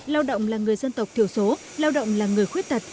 lao động là người dân tộc thiểu số lao động là người khuyết tật